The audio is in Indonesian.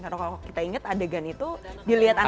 karena kalau kita inget adegan itu dilihat anaknya